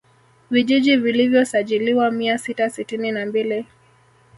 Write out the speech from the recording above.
Vijiji vilivyosajiliwa mia sita sitini na mbili